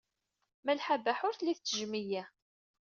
Malḥa Baḥa ur telli tettejjem-iyi.